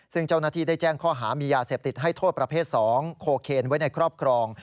ซึ่งเจ้าหน้าที่ได้แจ้งข้อหามียาเสพติดให้โทษประเภท๒โคเคนไว้ในครอบครอง